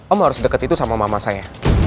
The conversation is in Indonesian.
om harus dekat itu sama mama saya